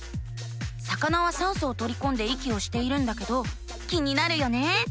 魚は酸素をとりこんで息をしているんだけど気になるよね。